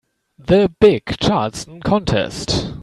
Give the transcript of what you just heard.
The big Charleston contest.